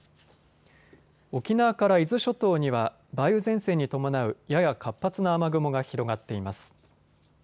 沖縄から伊豆諸島には梅雨前線に伴う、やや活発な雨雲が広がっています。